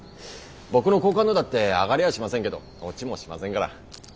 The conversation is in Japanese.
僕の好感度だって上がりゃしませんけど落ちもしませんから。